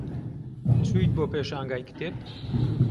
چوویت بۆ پێشانگای کتێب؟